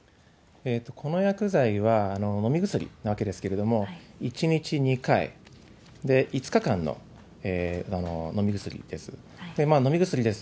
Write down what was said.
この薬剤は飲み薬なわけですけれども、１日２回、５日間の飲み薬です。